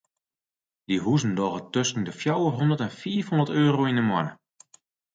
Dy huzen dogge tusken de fjouwer hondert en fiif hondert euro yn de moanne.